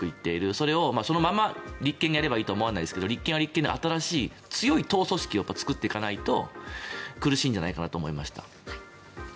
それをそのまま立憲がやればいいとは思わないですけど立憲は立憲で新しい強い党組織を作っていかないと苦しいんじゃないかと思いました。